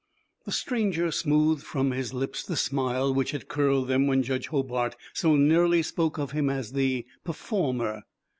The stranger smoothed from his lips the smile which had curled them when Judge Hobart so nearly spoke of him as the "performer."